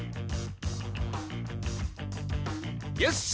よし！